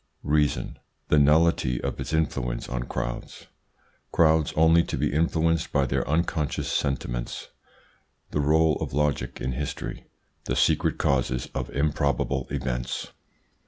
REASON. The nullity of its influence on crowds Crowds only to be influenced by their unconscious sentiments The role of logic in history The secret causes of improbable events.